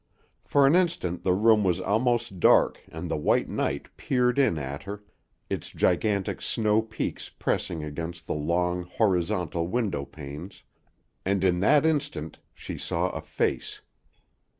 For an instant the room was almost dark and the white night peered in at her, its gigantic snow peaks pressing against the long, horizontal window panes, and in that instant she saw a face.